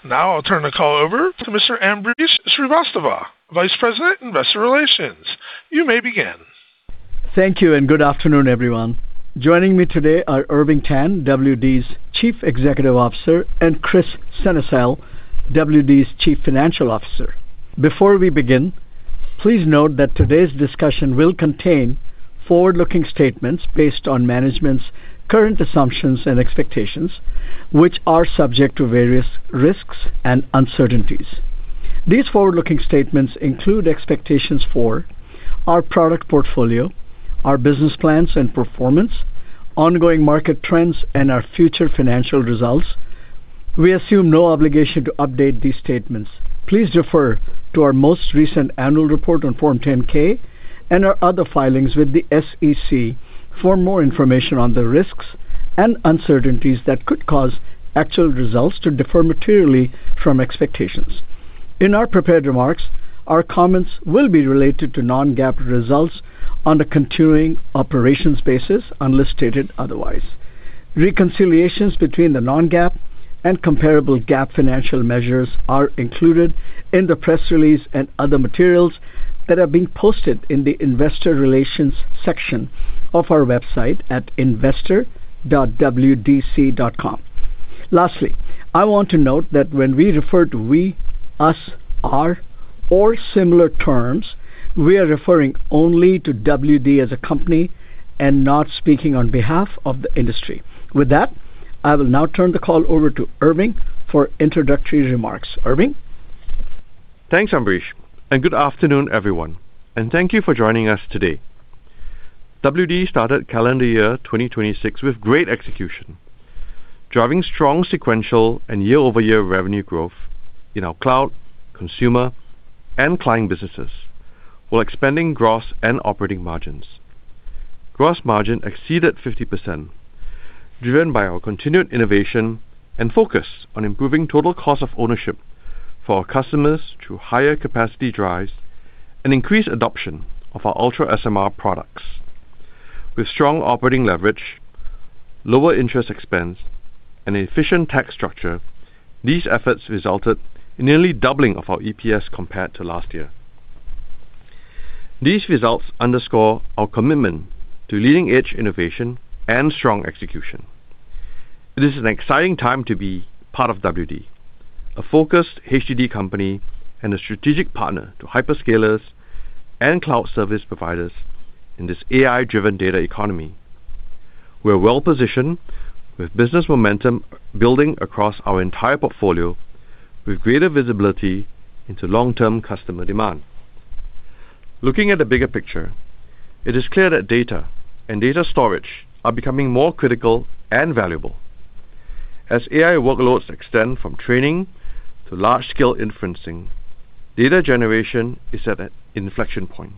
Now, I'll turn the call over to Mr. Ambrish Srivastava, Vice President, Investor Relations. You may begin. Thank you. Good afternoon, everyone. Joining me today are Irving Tan, Western Digital's Chief Executive Officer, and Kris Sennesael, Western Digital's Chief Financial Officer. Before we begin, please note that today's discussion will contain forward-looking statements based on management's current assumptions and expectations, which are subject to various risks and uncertainties. These forward-looking statements include expectations for our product portfolio, our business plans and performance, ongoing market trends, and our future financial results. We assume no obligation to update these statements. Please refer to our most recent annual report on Form 10-K and our other filings with the SEC for more information on the risks and uncertainties that could cause actual results to differ materially from expectations. In our prepared remarks, our comments will be related to non-GAAP results on a continuing operations basis, unless stated otherwise. Reconciliations between the non-GAAP and comparable GAAP financial measures are included in the press release and other materials that have been posted in the investor relations section of our website at investor.wdc.com. Lastly, I want to note that when we refer to we, us, our, or similar terms, we are referring only to Western Digital as a company and not speaking on behalf of the industry. With that, I will now turn the call over to Irving for introductory remarks. Irving? Thanks, Ambrish, and good afternoon, everyone, and thank you for joining us today. Western Digital started calendar year 2026 with great execution, driving strong sequential and year-over-year revenue growth in our cloud, consumer, and client businesses while expanding gross and operating margins. Gross margin exceeded 50%, driven by our continued innovation and focus on improving total cost of ownership for our customers through higher capacity drives and increased adoption of our UltraSMR products. With strong operating leverage, lower interest expense, and an efficient tax structure, these efforts resulted in nearly doubling of our EPS compared to last year. These results underscore our commitment to leading-edge innovation and strong execution. It is an exciting time to be part of Western Digital, a focused HDD company and a strategic partner to hyperscalers and cloud service providers in this AI-driven data economy. We are well-positioned with business momentum building across our entire portfolio with greater visibility into long-term customer demand. Looking at the bigger picture, it is clear that data and data storage are becoming more critical and valuable. As AI workloads extend from training to large-scale inferencing, data generation is at an inflection point.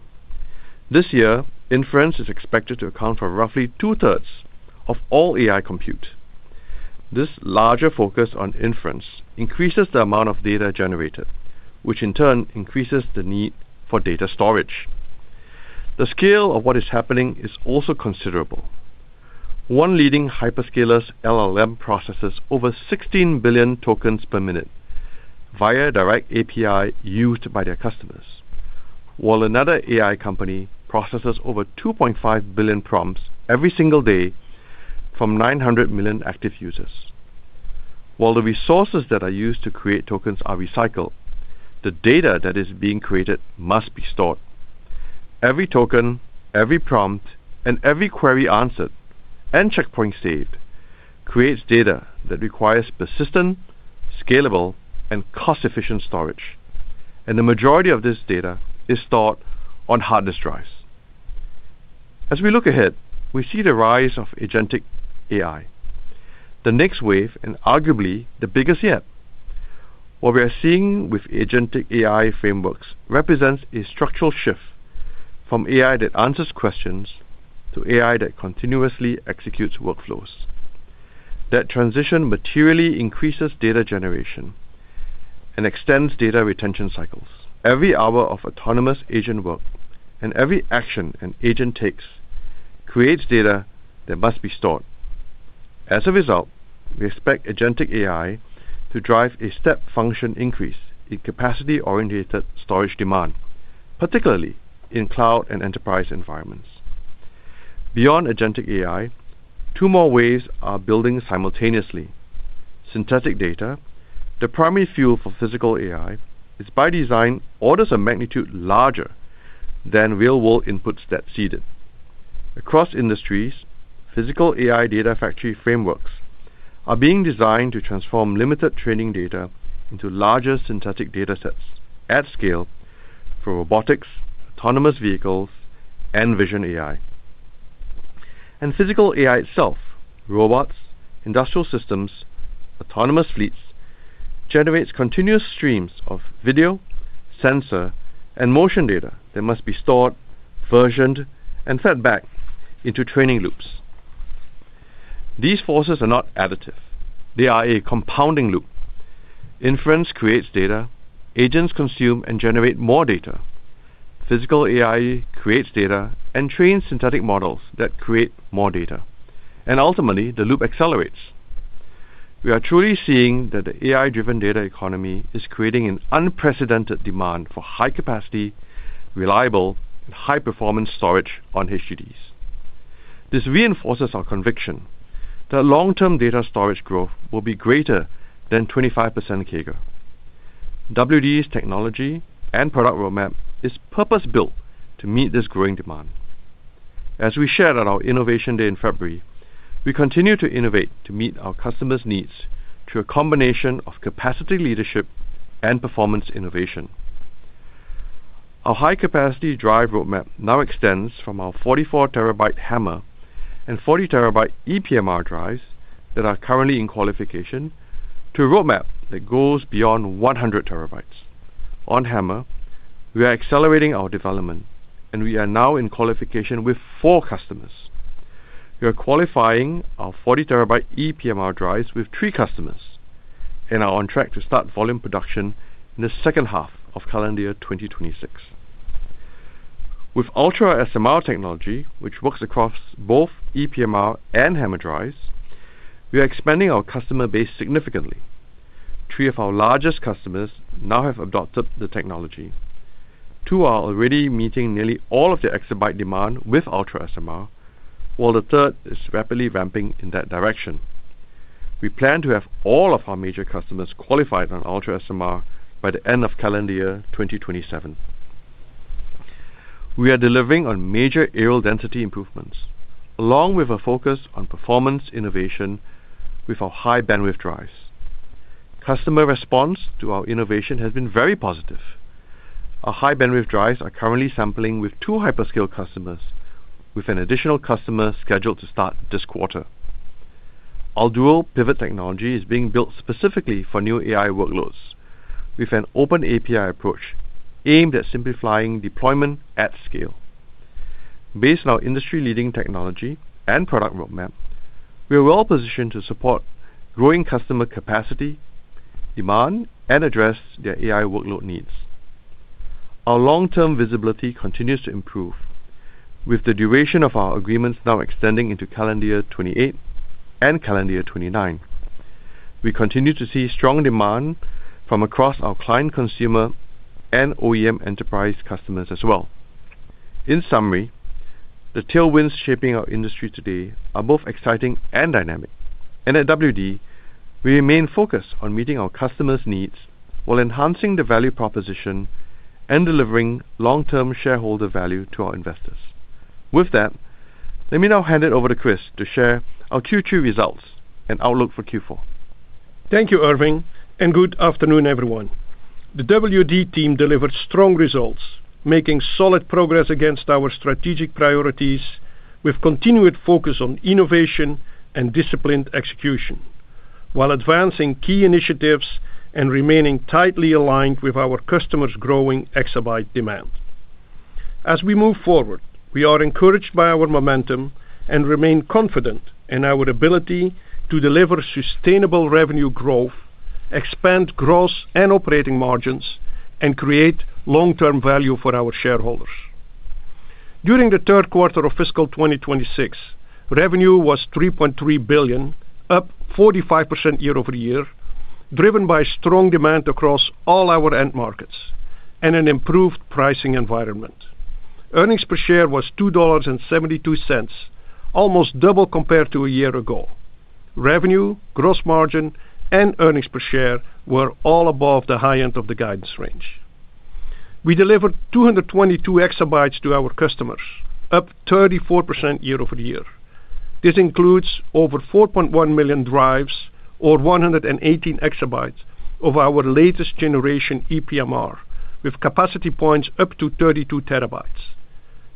This year, inference is expected to account for roughly 2/3 of all AI compute. This larger focus on inference increases the amount of data generated, which in turn increases the need for data storage. The scale of what is happening is also considerable. One leading hyperscaler's LLM processes over 16 billion tokens per minute via direct API used by their customers, while another AI company processes over 2.5 billion prompts every single day from 900 million active users. While the resources that are used to create tokens are recycled, the data that is being created must be stored. Every token, every prompt, and every query answered and checkpoint saved creates data that requires persistent, scalable, and cost-efficient storage, and the majority of this data is stored on hard disk drives. As we look ahead, we see the rise of agentic AI, the next wave and arguably the biggest yet. What we are seeing with agentic AI frameworks represents a structural shift from AI that answers questions to AI that continuously executes workflows. That transition materially increases data generation and extends data retention cycles. Every hour of autonomous agent work and every action an agent takes creates data that must be stored. As a result, we expect agentic AI to drive a step function increase in capacity-orientated storage demand, particularly in cloud and enterprise environments. Beyond agentic AI, two more waves are building simultaneously. Synthetic data, the primary fuel for physical AI, is by design orders of magnitude larger than real-world inputs that seed it. Across industries, physical AI data factory frameworks are being designed to transform limited training data into larger synthetic datasets at scale for robotics, autonomous vehicles, and vision AI. Physical AI itself, robots, industrial systems, autonomous fleets, generates continuous streams of video, sensor, and motion data that must be stored, versioned, and fed back into training loops. These forces are not additive. They are a compounding loop. Inference creates data, agents consume and generate more data. Physical AI creates data and trains synthetic models that create more data, and ultimately the loop accelerates. We are truly seeing that the AI-driven data economy is creating an unprecedented demand for high capacity, reliable, and high-performance storage on HDDs. This reinforces our conviction that long-term data storage growth will be greater than 25% CAGR. Western Digital's technology and product roadmap is purpose-built to meet this growing demand. As we shared on our Innovation Day in February, we continue to innovate to meet our customers' needs through a combination of capacity leadership and performance innovation. Our high-capacity drive roadmap now extends from our 44 terabyte HAMR and 40 terabyte EPMR drives that are currently in qualification to a roadmap that goes beyond 100 terabytes. On HAMR, we are accelerating our development, and we are now in qualification with four customers. We are qualifying our 40 terabyte EPMR drives with three customers and are on track to start volume production in the second half of calendar year 2026. With UltraSMR technology, which works across both EPMR and HAMR drives, we are expanding our customer base significantly. Three of our largest customers now have adopted the technology. Two are already meeting nearly all of their exabyte demand with UltraSMR, while the third is rapidly ramping in that direction. We plan to have all of our major customers qualified on UltraSMR by the end of calendar year 2027. We are delivering on major areal density improvements, along with a focus on performance innovation with our high-bandwidth drives. Customer response to our innovation has been very positive. Our high-bandwidth drives are currently sampling with two hyperscale customers, with an additional customer scheduled to start this quarter. Our Dual Pivot Technology is being built specifically for new AI workloads, with an OpenAPI approach aimed at simplifying deployment at scale. Based on our industry-leading technology and product roadmap, we are well-positioned to support growing customer capacity, demand, and address their AI workload needs. Our long-term visibility continues to improve, with the duration of our agreements now extending into calendar year 2028 and calendar year 2029. We continue to see strong demand from across our client consumer and OEM enterprise customers as well. In summary, the tailwinds shaping our industry today are both exciting and dynamic. At Western Digital, we remain focused on meeting our customers' needs while enhancing the value proposition and delivering long-term shareholder value to our investors. With that, let me now hand it over to Kris Sennesael to share our Q2 results and outlook for Q4. Thank you, Irving, and good afternoon, everyone. The Western Digital team delivered strong results, making solid progress against our strategic priorities with continued focus on innovation and disciplined execution, while advancing key initiatives and remaining tightly aligned with our customers' growing exabyte demand. As we move forward, we are encouraged by our momentum and remain confident in our ability to deliver sustainable revenue growth, expand gross and operating margins, and create long-term value for our shareholders. During the third quarter of fiscal 2026, revenue was $3.3 billion, up 45% year-over-year, driven by strong demand across all our end markets and an improved pricing environment. Earnings per share was $2.72, almost double compared to a year ago. Revenue, gross margin, and earnings per share were all above the high end of the guidance range. We delivered 222 exabytes to our customers, up 34% year-over-year. This includes over 4.1 million drives, or 118 exabytes, of our latest generation EPMR with capacity points up to 32 terabytes,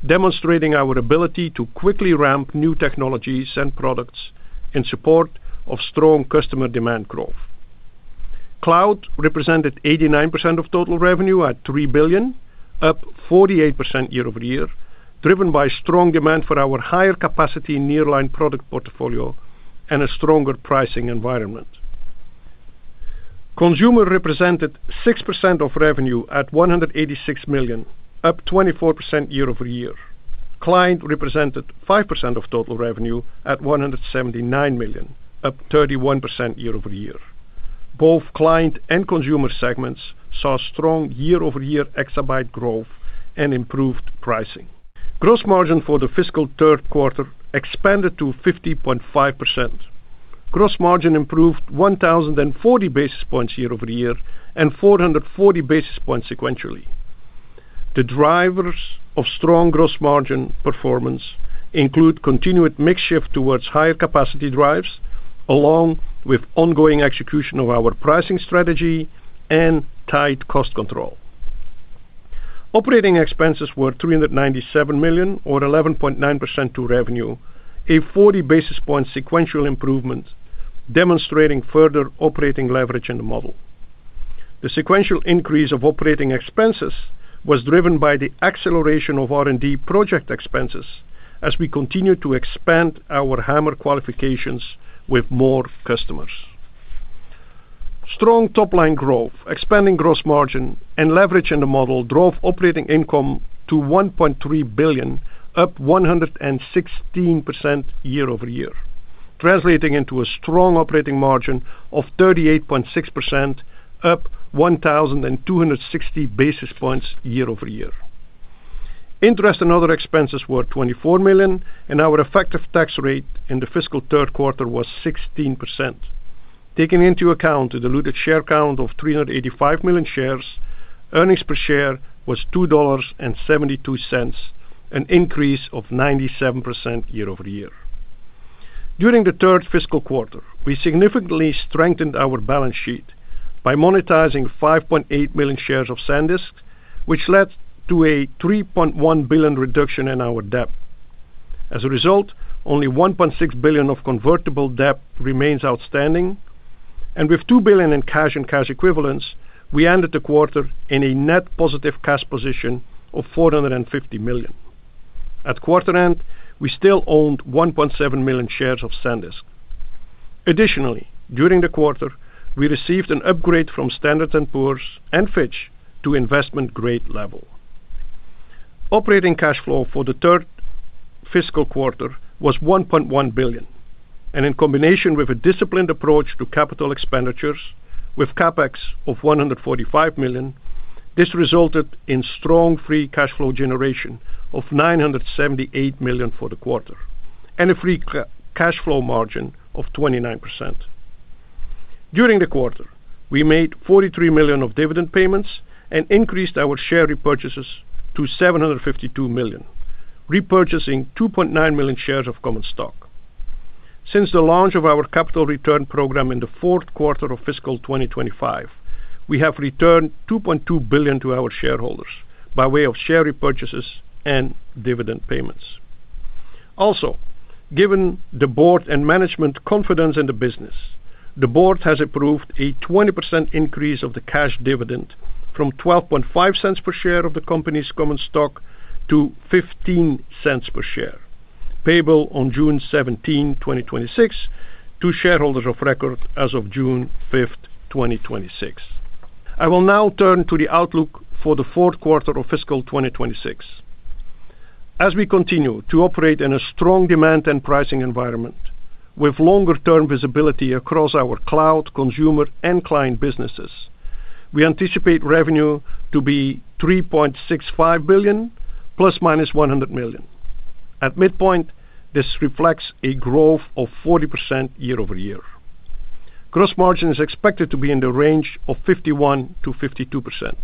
demonstrating our ability to quickly ramp new technologies and products in support of strong customer demand growth. Cloud represented 89% of total revenue at $3 billion, up 48% year-over-year, driven by strong demand for our higher capacity nearline product portfolio and a stronger pricing environment. Consumer represented 6% of revenue at $186 million, up 24% year-over-year. Client represented 5% of total revenue at $179 million, up 31% year-over-year. Both client and consumer segments saw strong year-over-year exabyte growth and improved pricing. Gross margin for the fiscal third quarter expanded to 50.5%. Gross margin improved 1,040 basis points year-over-year and 440 basis points sequentially. The drivers of strong gross margin performance include continued mix shift towards higher capacity drives, along with ongoing execution of our pricing strategy and tight cost control. Operating expenses were $397 million or 11.9% to revenue, a 40 basis point sequential improvement demonstrating further operating leverage in the model. The sequential increase of operating expenses was driven by the acceleration of R&D project expenses as we continue to expand our HAMR qualifications with more customers. Strong top-line growth, expanding gross margin and leverage in the model drove operating income to $1.3 billion, up 116% year-over-year, translating into a strong operating margin of 38.6%, up 1,260 basis points year-over-year. Interest and other expenses were $24 million, and our effective tax rate in the fiscal third quarter was 16%. Taking into account the diluted share count of 385 million shares, earnings per share was $2.72, an increase of 97% year-over-year. During the third fiscal quarter, we significantly strengthened our balance sheet by monetizing 5.8 million shares of SanDisk, which led to a $3.1 billion reduction in our debt. As a result, only $1.6 billion of convertible debt remains outstanding, and with $2 billion in cash and cash equivalents, we ended the quarter in a net positive cash position of $450 million. At quarter end, we still owned 1.7 million shares of SanDisk. Additionally, during the quarter, we received an upgrade from Standard & Poor's and Fitch to investment grade level. Operating cash flow for the third fiscal quarter was $1.1 billion, and in combination with a disciplined approach to capital expenditures with CapEx of $145 million, this resulted in strong free cash flow generation of $978 million for the quarter and a free cash flow margin of 29%. During the quarter, we made $43 million of dividend payments and increased our share repurchases to $752 million, repurchasing 2.9 million shares of common stock. Since the launch of our capital return program in the fourth quarter of fiscal 2025, we have returned $2.2 billion to our shareholders by way of share repurchases and dividend payments. Given the board and management confidence in the business, the board has approved a 20% increase of the cash dividend from $0.125 per share of the company's common stock to $0.15 per share, payable on June 17, 2026 to shareholders of record as of June 5, 2026. I will now turn to the outlook for the fourth quarter of fiscal 2026. As we continue to operate in a strong demand and pricing environment with longer-term visibility across our cloud, consumer, and client businesses, we anticipate revenue to be $3.65 billion ±$100 million. At midpoint, this reflects a growth of 40% year-over-year. Gross margin is expected to be in the range of 51%-52%.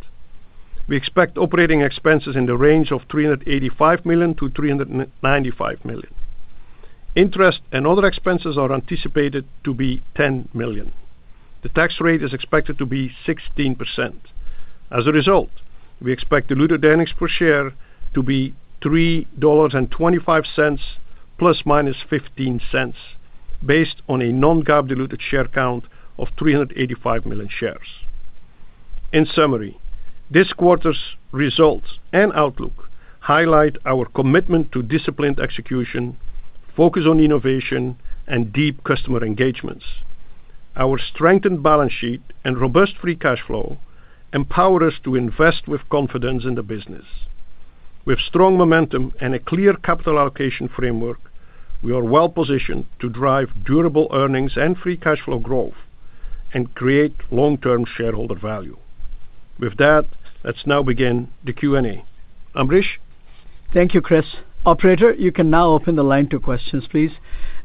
We expect operating expenses in the range of $385 million-$395 million. Interest and other expenses are anticipated to be $10 million. The tax rate is expected to be 16%. As a result, we expect diluted earnings per share to be $3.25 ±$0.15 based on a non-GAAP diluted share count of 385 million shares. In summary, this quarter's results and outlook highlight our commitment to disciplined execution, focus on innovation, and deep customer engagements. Our strengthened balance sheet and robust free cash flow empower us to invest with confidence in the business. With strong momentum and a clear capital allocation framework, we are well positioned to drive durable earnings and free cash flow growth and create long-term shareholder value. With that, let's now begin the Q&A. Ambrish? Thank you, Kris Sennesael. Operator, you can now open the line to questions, please.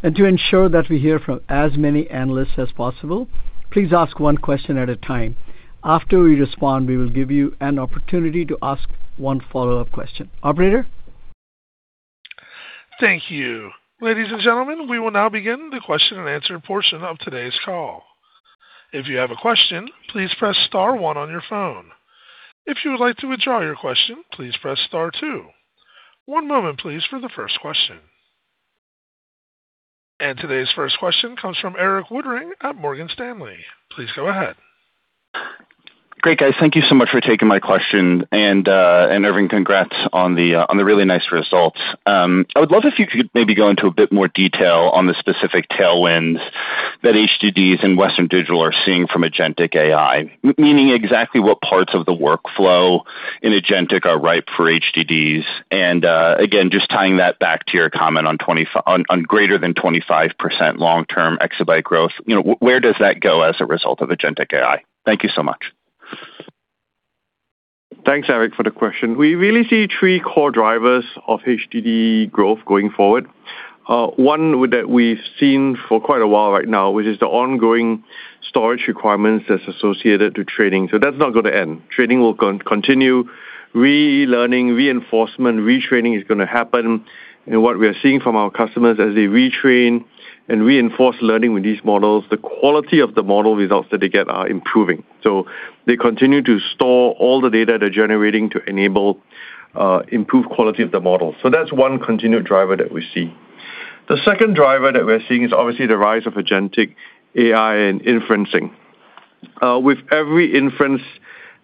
To ensure that we hear from as many analysts as possible, please ask one question at a time. After we respond, we will give you an opportunity to ask one follow-up question. Operator? Thank you. Ladies and gentlemen, we will now begin the question and answer portion of today's call. If you have a question, please press star one on your phone. If you would like to withdraw your question, please star two. One moment please for the first question. Today's first question comes from Erik Woodring at Morgan Stanley. Please go ahead. Great, guys. Thank you so much for taking my question. Irving, congrats on the really nice results. I would love if you could maybe go into a bit more detail on the specific tailwinds that HDDs and Western Digital are seeing from agentic AI, meaning exactly what parts of the workflow in agentic are ripe for HDDs, and again, just tying that back to your comment on greater than 25% long-term exabyte growth. Where does that go as a result of agentic AI? Thank you so much. Thanks, Erik Woodring, for the question. We really see three core drivers of HDD growth going forward. One that we've seen for quite a while right now, which is the ongoing storage requirements that's associated to training. That's not going to end. Training will continue. Relearning, reinforcement, retraining is going to happen, and what we are seeing from our customers as they retrain and reinforce learning with these models, the quality of the model results that they get are improving. They continue to store all the data they're generating to enable improved quality of the model. That's one continued driver that we see. The second driver that we're seeing is obviously the rise of agentic AI and inferencing. With every inference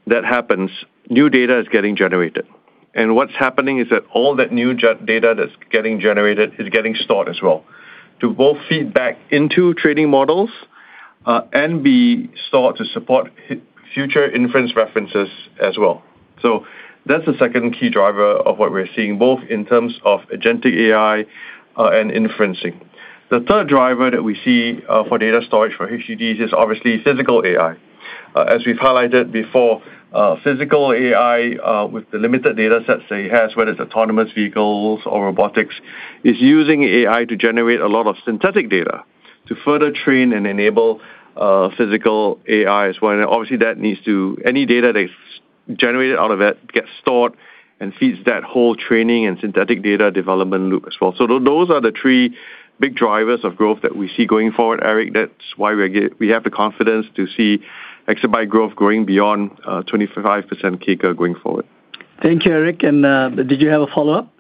that happens, new data is getting generated. What's happening is that all that new gen-data that's getting generated is getting stored as well to both feed back into training models and be stored to support future inference references as well. That's the second key driver of what we're seeing, both in terms of agentic AI and inferencing. The third driver that we see for data storage for HDDs is obviously physical AI. As we've highlighted before, physical AI, with the limited data sets that it has, whether it's autonomous vehicles or robotics, is using AI to generate a lot of synthetic data to further train and enable physical AI as well. Obviously, any data that's generated out of it gets stored and feeds that whole training and synthetic data development loop as well. Those are the three big drivers of growth that we see going forward, Erik Woodring. That's why we have the confidence to see exabyte growth growing beyond 25% CAGR going forward. Thank you, Erik Woodring. Did you have a follow-up?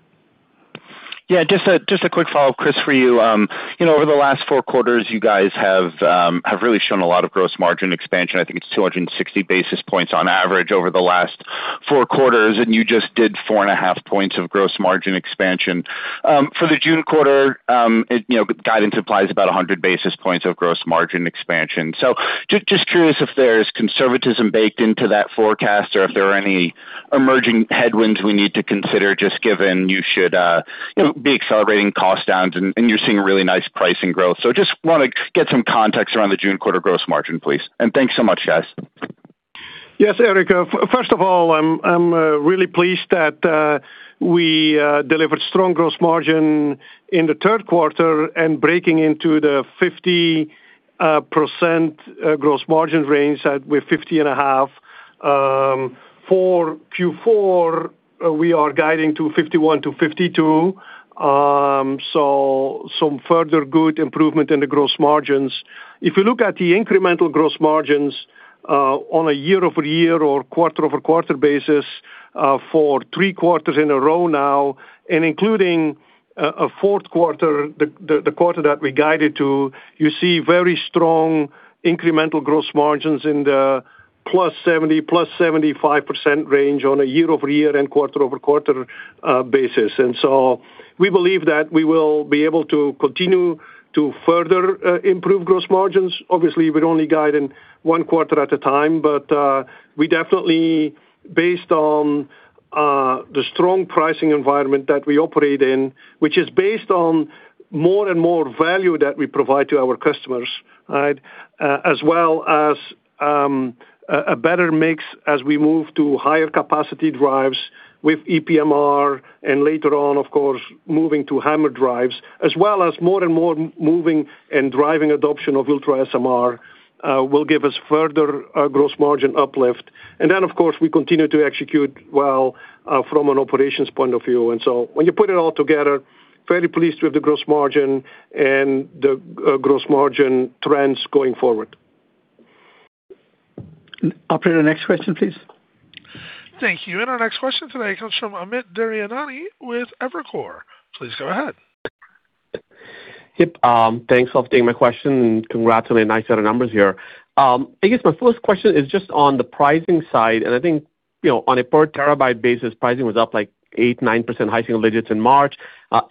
Yeah, just a quick follow-up, Kris, for you. Over the last four quarters, you guys have really shown a lot of gross margin expansion. I think it's 260 basis points on average over the last four quarters, and you just did 4.5 points of gross margin expansion. For the June quarter, guidance applies about 100 basis points of gross margin expansion. Just curious if there's conservatism baked into that forecast or if there are any emerging headwinds we need to consider, just given you should, be accelerating cost downs and you're seeing really nice pricing growth. Just want to get some context around the June quarter gross margin, please. Thanks so much, guys. Yes, Erik Woodring. First of all, I'm really pleased that we delivered strong gross margin in the third quarter and breaking into the 50% gross margin range that we're 50.5%. For Q4, we are guiding to 51%-52%, some further good improvement in the gross margins. If you look at the incremental gross margins on a year-over-year or quarter-over-quarter basis, for three quarters in a row now, and including a fourth quarter, the quarter that we guided to, you see very strong incremental gross margins in the +70%, +75% range on a year-over-year and quarter-over-quarter basis. We believe that we will be able to continue to further improve gross margins. Obviously, we're only guiding one quarter at a time. We definitely based on the strong pricing environment that we operate in, which is based on more and more value that we provide to our customers, right? As well as a better mix as we move to higher capacity drives with EPMR and later on, of course, moving to HAMR drives, as well as more and more moving and driving adoption of UltraSMR, will give us further gross margin uplift. Then, of course, we continue to execute well from an operations point of view. So when you put it all together, fairly pleased with the gross margin and the gross margin trends going forward. Operator, next question, please. Thank you. Our next question today comes from Amit Daryanani with Evercore ISI. Please go ahead. Yep, thanks for taking my question, and congrats on a nice set of numbers here. I guess my first question is just on the pricing side, on a per terabyte basis, pricing was up, 8%, 9%, high single digits in March.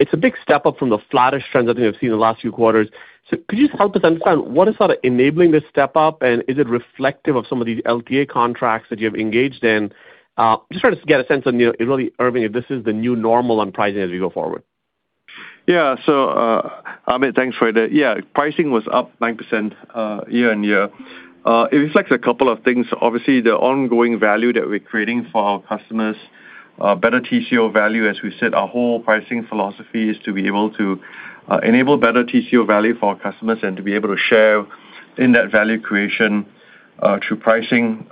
It's a big step up from the flattish trends I think I've seen in the last few quarters. Could you just help us understand what is sort of enabling this step up, and is it reflective of some of these LTA contracts that you have engaged in? Just trying to get a sense on, Irving Tan, if this is the new normal on pricing as we go forward. Thanks for that. Pricing was up 9%, year-over-year. It reflects a couple of things. The ongoing value that we're creating for our customers, better TCO value. As we said, our whole pricing philosophy is to be able to enable better TCO value for our customers and to be able to share in that value creation through pricing.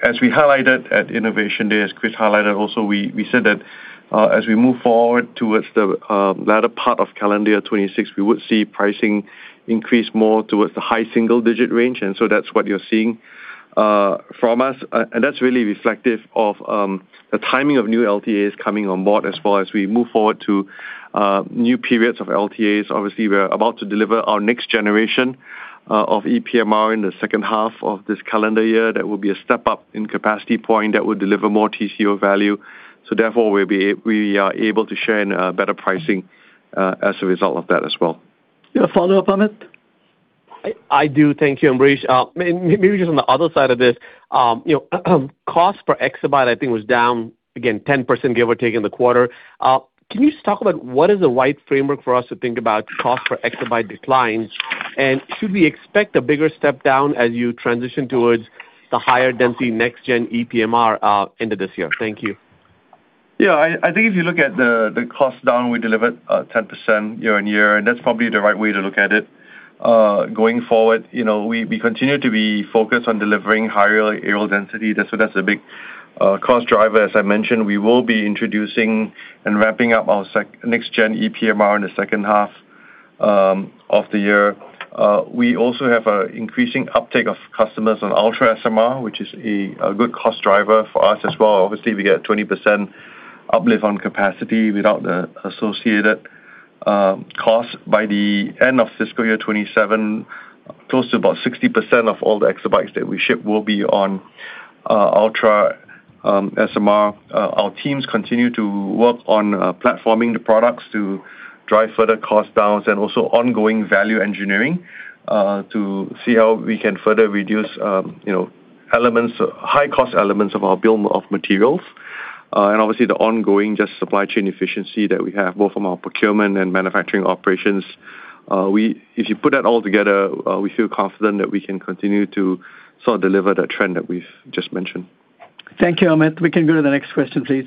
As we highlighted at Innovation Day, as Kris Sennesael highlighted also, we said that as we move forward towards the latter part of calendar year 2026, we would see pricing increase more towards the high single-digit range. That's what you're seeing from us. That's really reflective of the timing of new LTAs coming on board as well as we move forward to new periods of LTAs. Obviously, we're about to deliver our next generation of EPMR in the H2 of this calendar year. That will be a step up in capacity point that will deliver more TCO value. Therefore, we are able to share in better pricing as a result of that as well. You have a follow-up, Amit Daryanani? I do. Thank you, Ambrish Srivastava. Maybe just on the other side of this, cost per exabyte, I think, was down again 10%, give or take, in the quarter. Can you just talk about what is the right framework for us to think about cost per exabyte declines? Should we expect a bigger step down as you transition towards the higher density next gen EPMR end of this year? Thank you. I think if you look at the cost down, we delivered 10% year-over-year, that's probably the right way to look at it. Going forward, we continue to be focused on delivering higher aerial density. That's a big cost driver. As I mentioned, we will be introducing and wrapping up our next gen EPMR in the second half of the year. We also have a increasing uptake of customers on UltraSMR, which is a good cost driver for us as well. Obviously, we get a 20% uplift on capacity without the associated cost. By the end of fiscal year 2027, close to about 60% of all the exabytes that we ship will be on UltraSMR. Our teams continue to work on platforming the products to drive further cost downs and also ongoing value engineering to see how we can further reduce elements, high cost elements of our bill of materials. The ongoing just supply chain efficiency that we have both from our procurement and manufacturing operations. If you put that all together, we feel confident that we can continue to sort of deliver that trend that we've just mentioned. Thank you, Amit Daryanani. We can go to the next question, please.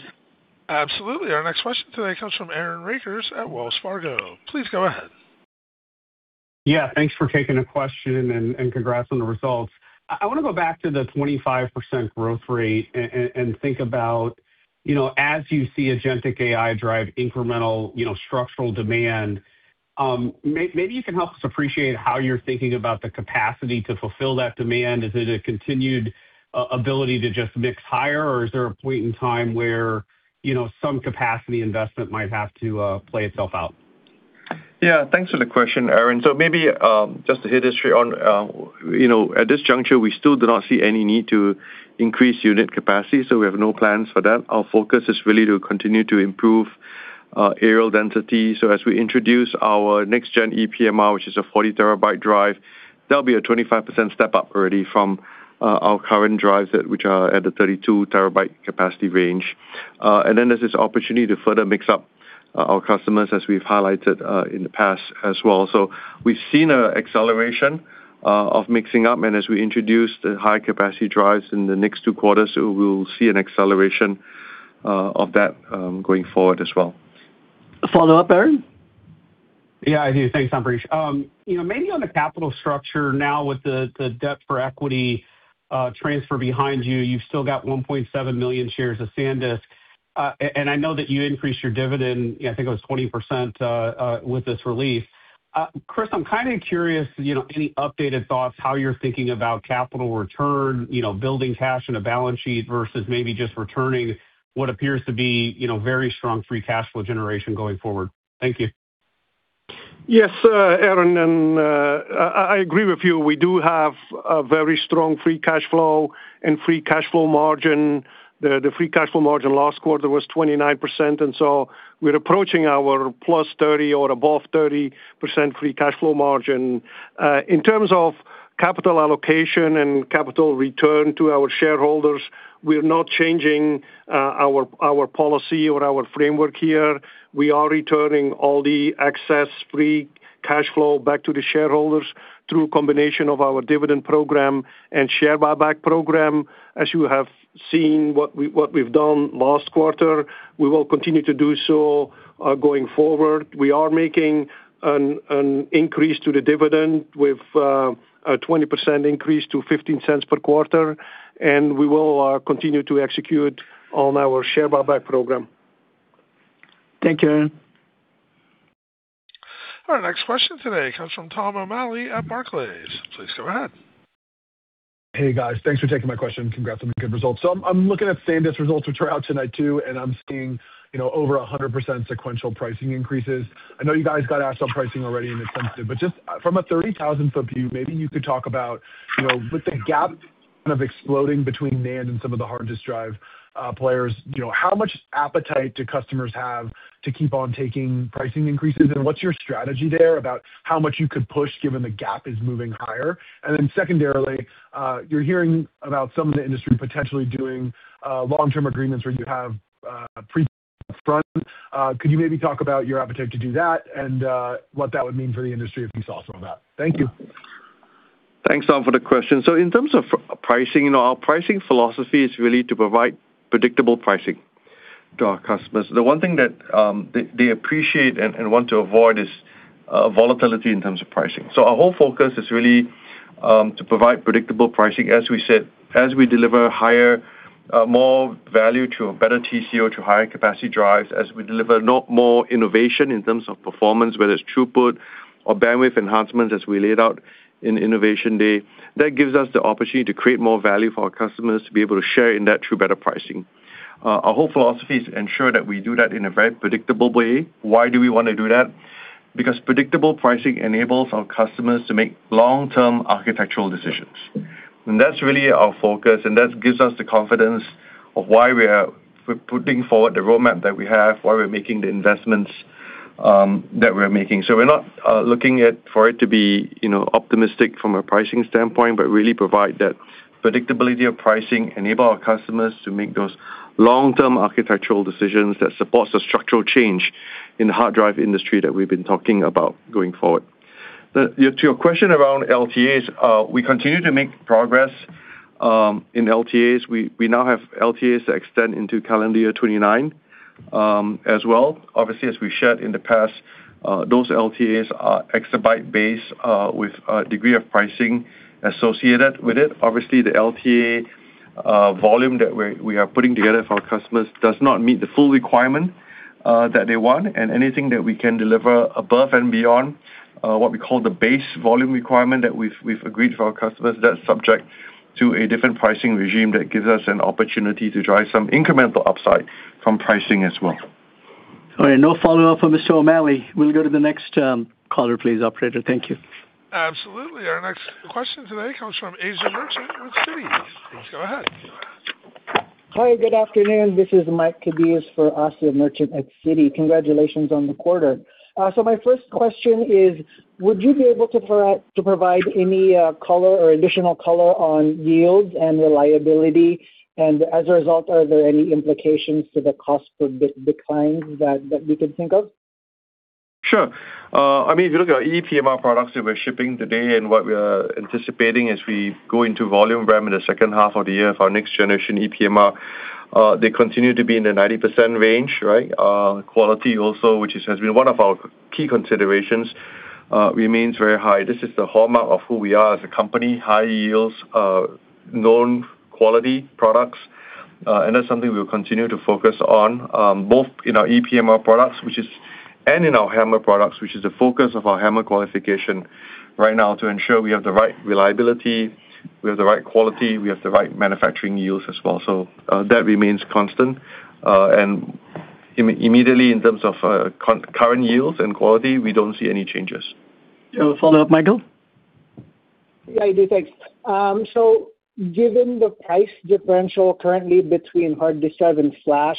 Absolutely. Our next question today comes from Aaron Rakers at Wells Fargo. Please go ahead. Yeah, thanks for taking the question and congrats on the results. I want to go back to the 25% growth rate and think about, as you see agentic AI drive incremental, structural demand, maybe you can help us appreciate how you're thinking about the capacity to fulfill that demand. Is it a continued ability to just mix higher, or is there a point in time where, some capacity investment might have to play itself out? Thanks for the question, Aaron. Maybe, just to hit this straight at this juncture, we still do not see any need to increase unit capacity, so we have no plans for that. Our focus is really to continue to improve aerial density. As we introduce our next gen EPMR, which is a 40 terabyte drive, that'll be a 25% step up already from our current drives which are at the 32 terabyte capacity range. And then there's this opportunity to further mix up our customers as we've highlighted in the past as well. We've seen an acceleration of mixing up, and as we introduce the high capacity drives in the next two quarters, we'll see an acceleration of that going forward as well. Follow-up, Aaron? I do. Thanks, Ambrish Srivastava. Maybe on the capital structure now with the debt for equity transfer behind you've still got 1.7 million shares of SanDisk. I know that you increased your dividend, I think it was 20% with this relief. Kris, I'm kinda curious, any updated thoughts how you're thinking about capital return, building cash in a balance sheet versus maybe just returning what appears to be very strong free cash flow generation going forward. Thank you. Yes, Aaron Rakers, I agree with you. We do have a very strong free cash flow and free cash flow margin. The free cash flow margin last quarter was 29%, we're approaching our +30% or above 30% free cash flow margin. In terms of capital allocation and capital return to our shareholders, we're not changing our policy or our framework here. We are returning all the excess free cash flow back to the shareholders through a combination of our dividend program and share buyback program. As you have seen what we've done last quarter, we will continue to do so going forward. We are making an increase to the dividend with a 20% increase to $0.15 per quarter, we will continue to execute on our share buyback program. Thank you, Aaron Rakers. Our next question today comes from Thomas O'Malley at Barclays. Please go ahead. Hey, guys. Thanks for taking my question. Congrats on the good results. I'm looking at SanDisk results, which are out tonight too, and I'm seeing over 100% sequential pricing increases. I know you guys got asked on pricing already in the Q, but just from a 30,000-foot view, maybe you could talk about with the gap kind of exploding between NAND and some of the hard disk drive players. How much appetite do customers have to keep on taking pricing increases, and what's your strategy there about how much you could push given the gap is moving higher? Secondarily, you're hearing about some of the industry potentially doing long-term agreements where you have prepaid upfront. Could you maybe talk about your appetite to do that and what that would mean for the industry if we saw some of that? Thank you. Thanks, Thomas O'Malley, for the question. In terms of pricing, our pricing philosophy is really to provide predictable pricing to our customers. The one thing that they appreciate and want to avoid is volatility in terms of pricing. Our whole focus is really to provide predictable pricing. As we said, as we deliver higher, more value to a better TCO, to higher capacity drives, as we deliver more innovation in terms of performance, whether it's throughput or bandwidth enhancements as we laid out in Innovation Day, that gives us the opportunity to create more value for our customers to be able to share in that through better pricing. Our whole philosophy is to ensure that we do that in a very predictable way. Why do we want to do that? Because predictable pricing enables our customers to make long-term architectural decisions. That's really our focus, and that gives us the confidence of why we are putting forward the roadmap that we have, why we're making the investments that we're making. We're not looking at, for it to be, optimistic from a pricing standpoint, but really provide that predictability of pricing, enable our customers to make those long-term architectural decisions that supports the structural change in the hard drive industry that we've been talking about going forward. To your question around LTAs, we continue to make progress, in LTAs, we now have LTAs that extend into calendar year 2029 as well. Obviously, as we've shared in the past, those LTAs are exabyte based with a degree of pricing associated with it. Obviously, the LTA volume that we are putting together for our customers does not meet the full requirement that they want, and anything that we can deliver above and beyond what we call the base volume requirement that we've agreed for our customers, that's subject to a different pricing regime that gives us an opportunity to drive some incremental upside from pricing as well. All right. No follow-up from Mr. Thomas O'Malley. We'll go to the next caller, please, operator. Thank you. Absolutely. Our next question today comes from Asiya Merchant with Citi. Please go ahead. Hi, good afternoon. This is Michael Cadiz for Asiya Merchant. Congratulations on the quarter. My first question is, would you be able to provide any color or additional color on yields and reliability? As a result, are there any implications to the cost per terabyte declines that we can think of? If you look at our EPMR products that we're shipping today and what we are anticipating as we go into volume RAM in the second half of the year for our next generation EPMR, they continue to be in the 90% range, right? Quality also, which has been one of our key considerations, remains very high. This is the hallmark of who we are as a company, high yields, known quality products, and that's something we'll continue to focus on, both in our EPMR products and in our HAMR products, which is the focus of our HAMR qualification right now to ensure we have the right reliability, we have the right quality, we have the right manufacturing yields as well. That remains constant. Immediately in terms of, current yields and quality, we don't see any changes. You have a follow-up, Michael Cadiz? Yeah, I do. Thanks. Given the price differential currently between hard disk drive and flash,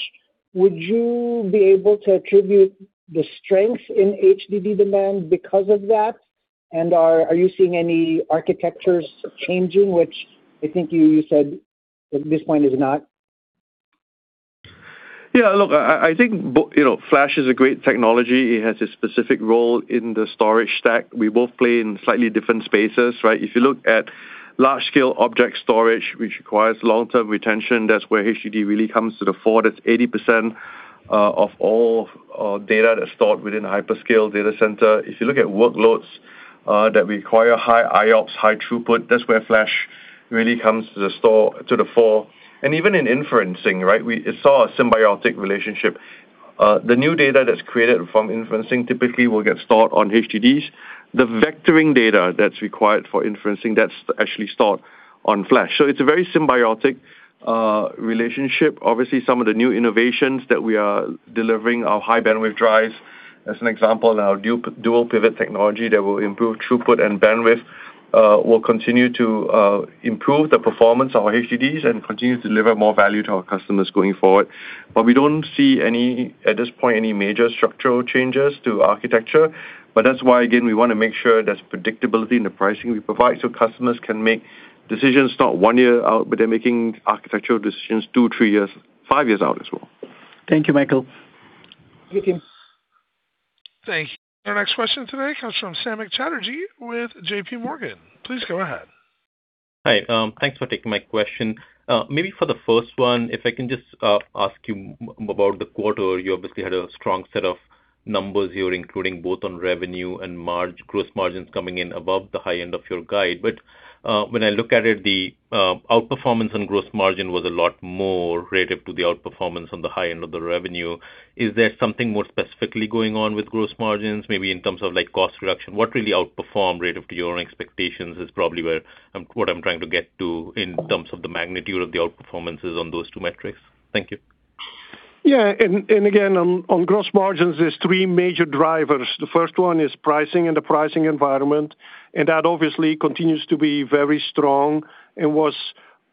would you be able to attribute the strength in HDD demand because of that? Are you seeing any architectures changing, which I think you said at this point is not? Flash is a great technology. It has a specific role in the storage stack. We both play in slightly different spaces, right? If you look at large scale object storage, which requires long-term retention, that's where HDD really comes to the fore. That's 80% of all data that's stored within a hyperscale data center. If you look at workloads that require high IOPs, high throughput, that's where flash really comes to the fore. Even in inferencing, right, we saw a symbiotic relationship. The new data that's created from inferencing typically will get stored on HDDs. The vectoring data that's required for inferencing, that's actually stored on flash. It's a very symbiotic relationship. Obviously, some of the new innovations that we are delivering are high bandwidth drives. As an example, now Dual Pivot Technology that will improve throughput and bandwidth will continue to improve the performance of our HDDs and continue to deliver more value to our customers going forward. We don't see any, at this point, any major structural changes to architecture. That's why, again, we want to make sure there's predictability in the pricing we provide so customers can make decisions not 1 year out, but they're making architectural decisions 2years, 3 years, 5 years out as well. Thank you, Michael Cadiz. Thank you. Thank you. Our next question today comes from Samik Chatterjee with J.P. Morgan. Please go ahead. Thanks for taking my question. Maybe for the first, if I can just ask you about the quarter. You obviously had a strong set of numbers here, including both on revenue and gross margins coming in above the high end of your guide. When I look at it, the outperformance and gross margin was a lot more relative to the outperformance on the high end of the revenue. Is there something more specifically going on with gross margins, maybe in terms of like cost reduction? What really outperformed rate of your expectations is probably where, what I'm trying to get to in terms of the magnitude of the outperformance is on those two metrics. Thank you. On gross margins, there's three major drivers. The first one is pricing and the pricing environment, that obviously continues to be very strong, and was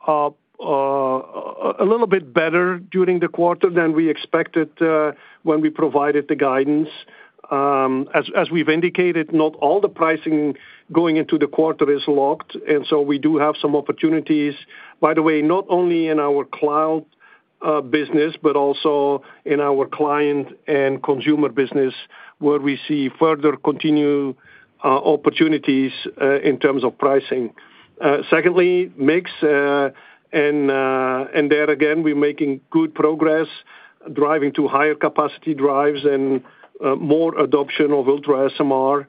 a little bit better during the quarter than we expected when we provided the guidance. As we've indicated, not all the pricing going into the quarter is locked, we do have some opportunities, by the way, not only in our cloud business, but also in our client and consumer business, where we see further continued opportunities in terms of pricing. Secondly, mix, and there again, we're making good progress driving to higher capacity drives and more adoption of UltraSMR,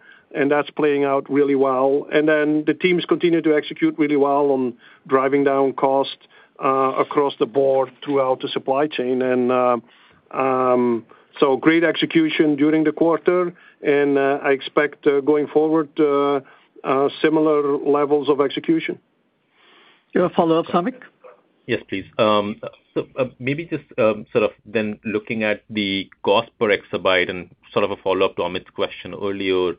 that's playing out really well. The teams continue to execute really well on driving down costs across the board throughout the supply chain. Great execution during the quarter, and I expect going forward similar levels of execution. You have a follow-up, Samik Chatterjee? Yes, please. Maybe just sort of then looking at the cost per exabyte and sort of a follow-up to Amit's question earlier,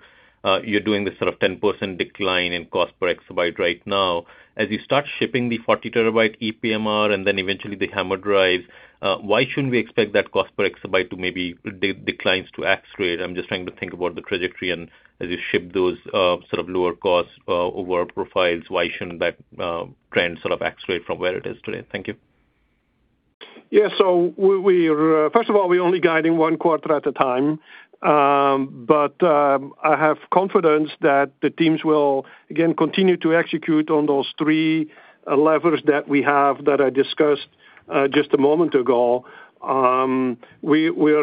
you're doing this sort of 10% decline in cost per exabyte right now. As you start shipping the 40 terabyte EPMR and then eventually the HAMR drive, why shouldn't we expect that cost per exabyte to maybe declines to X rate? I'm just trying to think about the trajectory and as you ship those sort of lower cost over profiles, why shouldn't that trend sort of accelerate from where it is today? Thank you. First of all, we're only guiding one quarter at a time. I have confidence that the teams will again continue to execute on those three levers that we have that I discussed just a moment ago. We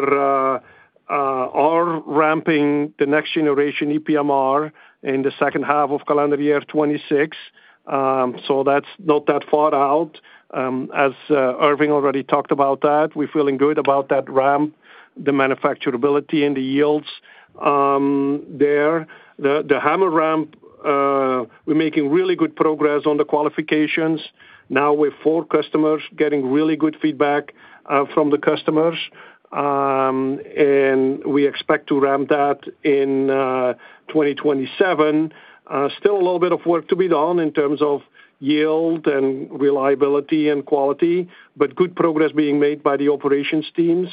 are ramping the next generation EPMR in the second half of calendar year 26. That's not that far out. As Irving already talked about that, we're feeling good about that ramp, the manufacturability and the yields there. The HAMR ramp, we're making really good progress on the qualifications. Now with 4 customers, getting really good feedback from the customers. We expect to ramp that in 2027. Still a little bit of work to be done in terms of yield and reliability and quality, but good progress being made by the operations teams.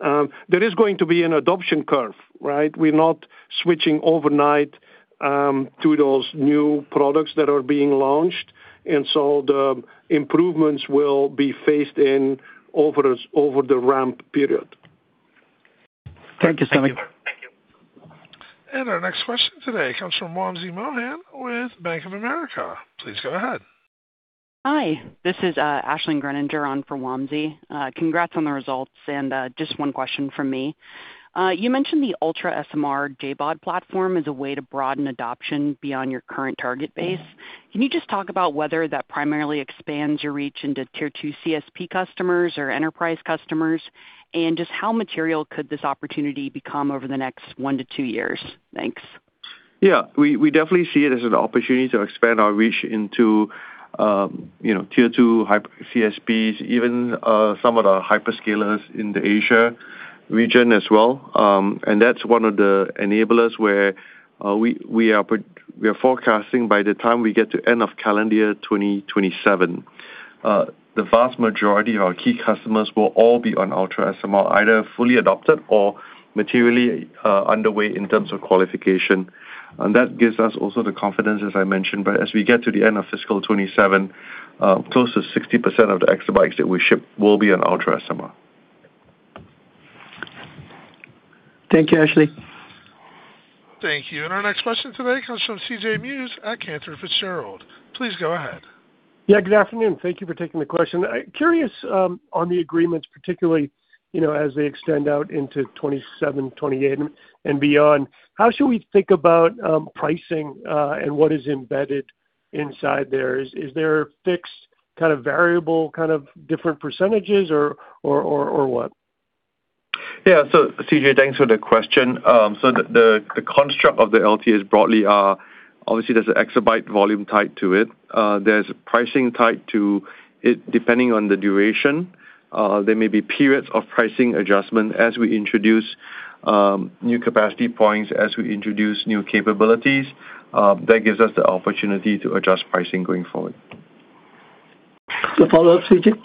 There is going to be an adoption curve, right? We're not switching overnight to those new products that are being launched. The improvements will be phased in over us, over the ramp period. Thank you, Kris Sennesael. Our next question today comes from Wamsi Mohan with Bank of America. Please go ahead. Hi, this is Aisling Grueninger on for Wamsi. Congrats on the results. Just one question from me. You mentioned the UltraSMR JBOD platform as a way to broaden adoption beyond your current target base. Can you just talk about whether that primarily expands your reach into tier II CSP customers or enterprise customers? Just how material could this opportunity become over the next one- two years? Thanks. Yeah. We definitely see it as an opportunity to expand our reach into, tier II hyper CSPs, even some of the hyperscalers in the Asia region as well. That's one of the enablers where we are forecasting by the time we get to end of calendar 2027, the vast majority of our key customers will all be on UltraSMR, either fully adopted or materially underway in terms of qualification. That gives us also the confidence, as I mentioned. As we get to the end of fiscal 2027, close to 60% of the exabytes that we ship will be on UltraSMR. Thank you, Aisling Grueninger. Thank you. Our next question today comes from CJ Muse at Cantor Fitzgerald. Please go ahead. Yeah, good afternoon. Thank you for taking the question. Curious, on the agreements, particularly, as they extend out into 2027, 2028 and beyond, how should we think about pricing and what is embedded inside there? Is there a fixed kind of variable, kind of different percentages or what? CJ, thanks for the question. The construct of the LTAs broadly are obviously there's an exabyte volume tied to it. There's pricing tied to it, depending on the duration. There may be periods of pricing adjustment as we introduce new capacity points, as we introduce new capabilities, that gives us the opportunity to adjust pricing going forward. A follow-up, CJ Muse?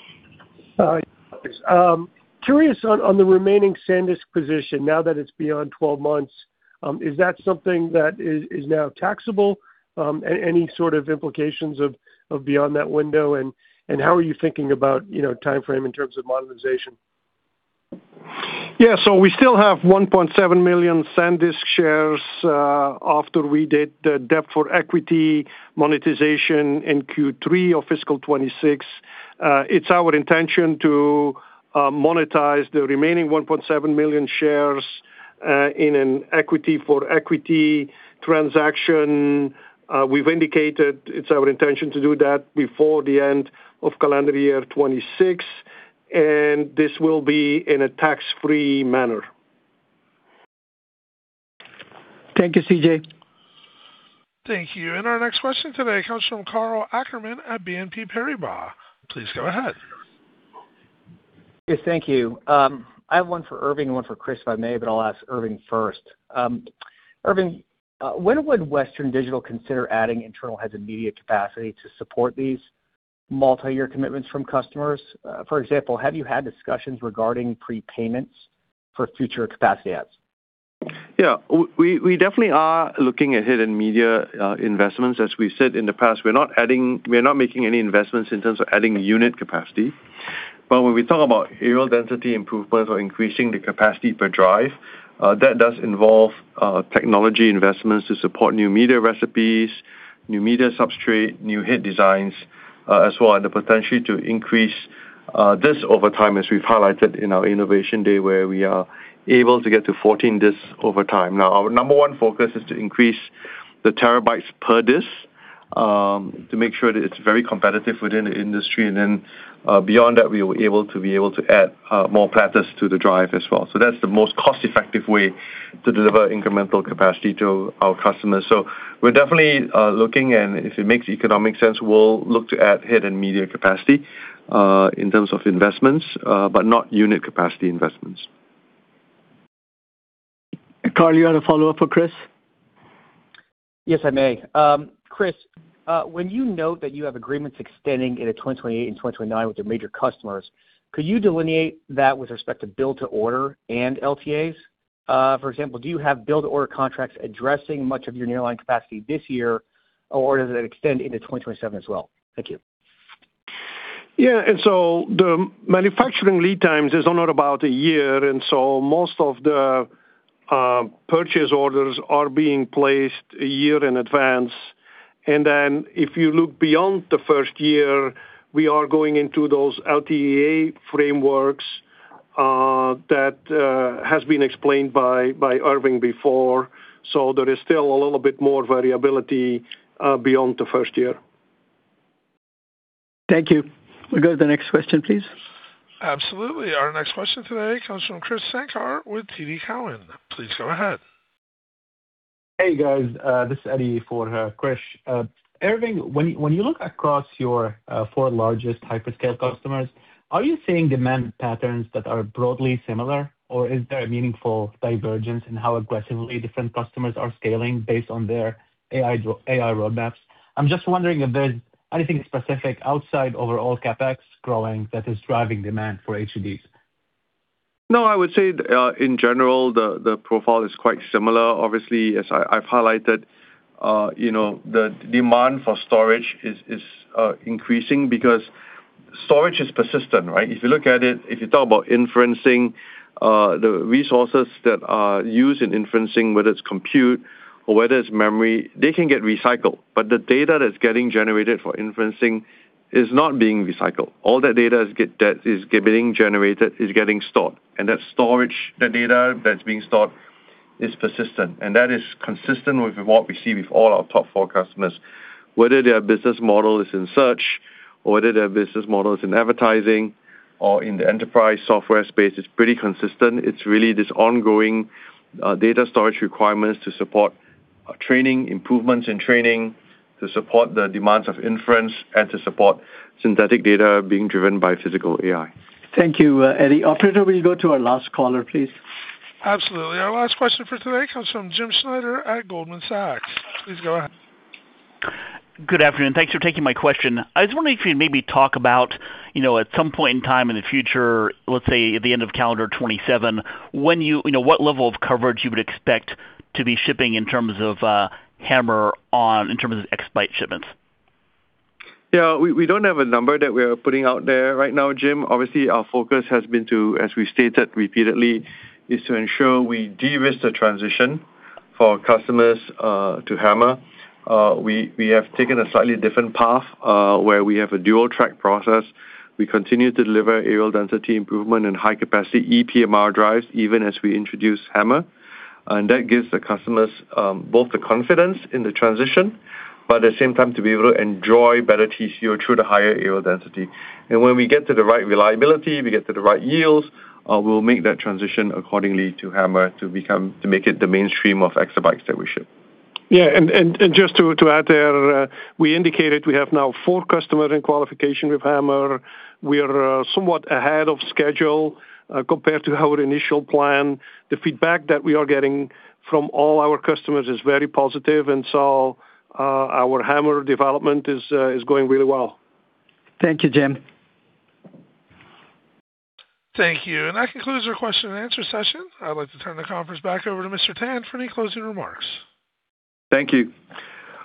All right. Curious on the remaining SanDisk position now that it's beyond 12 months, is that something that is now taxable? Any sort of implications of beyond that window? How are you thinking about timeframe in terms of monetization? Yeah. We still have 1.7 million SanDisk shares after we did the debt for equity monetization in Q3 of fiscal 2026. It's our intention to monetize the remaining 1.7 million shares in an equity for equity transaction. We've indicated it's our intention to do that before the end of calendar year 2026, and this will be in a tax-free manner. Thank you, CJ Muse. Thank you. Our next question today comes from Karl Ackerman at BNP Paribas. Please go ahead. Thank you. I have one for Irving and one for Kris, if I may, but I'll ask Irving first. Irving, when would Western Digital consider adding internal head and media capacity to support these multi-year commitments from customers? For example, have you had discussions regarding prepayments for future capacity adds? Yeah. We definitely are looking at head and media investments. As we said in the past, we're not making any investments in terms of adding unit capacity. When we talk about areal density improvements or increasing the capacity per drive, that does involve technology investments to support new media recipes, new media substrate, new head designs as well, and the potential to increase disks over time, as we've highlighted in our Innovation Day, where we are able to get to 14 disks over time. Our number one focus is to increase the terabytes per disk to make sure that it's very competitive within the industry. Beyond that, we were able to add more platters to the drive as well. That's the most cost-effective way to deliver incremental capacity to our customers. We're definitely looking, and if it makes economic sense, we'll look to add head and media capacity in terms of investments, but not unit capacity investments. Karl Ackerman, you had a follow-up for Kris Sennesael? Yes, I may. Kris, when you note that you have agreements extending into 2028 and 2029 with your major customers, could you delineate that with respect to build to order and LTAs? For example, do you have build order contracts addressing much of your nearline capacity this year or does it extend into 2027 as well? Thank you. Yeah. The manufacturing lead times is around about a year, most of the purchase orders are being placed a year in advance. If you look beyond the first year, we are going into those LTA frameworks that has been explained by Irving before. There is still a little bit more variability beyond the first year. Thank you. We'll go to the next question, please. Absolutely. Our next question today comes from Krish Sankar with TD Cowen. Please go ahead. Hey, guys. This is Eddy for Krish. Irving, when you look across your four largest hyperscale customers, are you seeing demand patterns that are broadly similar, or is there a meaningful divergence in how aggressively different customers are scaling based on their AI roadmaps? I'm just wondering if there's anything specific outside overall CapEx growing that is driving demand for HDDs. No, I would say, in general, the profile is quite similar. Obviously, as I've highlighted, the demand for storage is increasing because storage is persistent, right? If you look at it, if you talk about inferencing, the resources that are used in inferencing, whether it's compute or whether it's memory, they can get recycled. But the data that's getting generated for inferencing is not being recycled. All that data that is getting generated is getting stored, and that storage, the data that's being stored, is persistent. That is consistent with what we see with all our top four customers. Whether their business model is in search or whether their business model is in advertising or in the enterprise software space, it's pretty consistent. It's really this ongoing data storage requirements to support training, improvements in training, to support the demands of inference, and to support synthetic data being driven by physical AI. Thank you, Eddy. Operator, will you go to our last caller, please? Absolutely. Our last question for today comes from James Schneider at Goldman Sachs. Please go ahead. Good afternoon. Thanks for taking my question. I was wondering if you'd maybe talk about at some point in time in the future, let's say at the end of calendar 2027, what level of coverage you would expect to be shipping in terms of HAMR on, in terms of exabyte shipments. Yeah, we don't have a number that we are putting out there right now, Jim. Obviously, our focus has been to, as we stated repeatedly, is to ensure we de-risk the transition for customers to HAMR. We have taken a slightly different path, where we have a dual-track process. We continue to deliver areal density improvement and high-capacity EPMR drives even as we introduce HAMR. That gives the customers both the confidence in the transition, but at the same time to be able to enjoy better TCO through the higher areal density. When we get to the right reliability, we get to the right yields, we'll make that transition accordingly to HAMR to make it the mainstream of exabytes that we ship. Just to add there, we indicated we have now four customers in qualification with HAMR. We are somewhat ahead of schedule compared to our initial plan. The feedback that we are getting from all our customers is very positive. Our HAMR development is going really well. Thank you, James Schneider. Thank you. That concludes our question and answer session. I'd like to turn the conference back over to Mr. Irving Tan for any closing remarks. Thank you.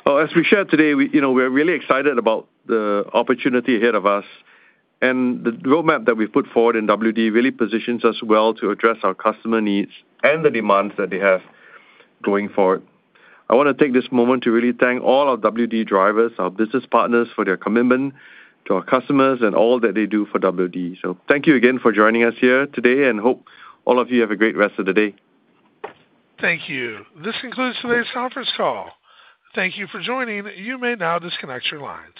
As we shared today, we are really excited about the opportunity ahead of us, and the roadmap that we've put forward in Western Digital really positions us well to address our customer needs and the demands that they have going forward. I want to take this moment to really thank all our Western Digital drivers, our business partners, for their commitment to our customers and all that they do for Western Digital. Thank you again for joining us here today and hope all of you have a great rest of the day. Thank you. This concludes today's conference call. Thank you for joining. You may now disconnect your lines.